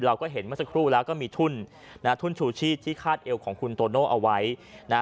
เราก็เห็นเมื่อสักครู่แล้วก็มีทุ่นนะฮะทุ่นชูชีพที่คาดเอวของคุณโตโน่เอาไว้นะฮะ